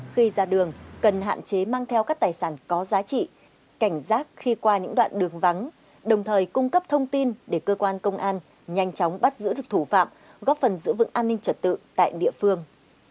khi ra đường cần hạn chế mang theo các tài sản có giá trị cảnh giác khi qua những đoạn đường vắng đồng thời cung cấp thông tin để cơ quan công an nhanh chóng bắt giữ được thủ phạm góp phần giữ vững an ninh trật tự tại địa phương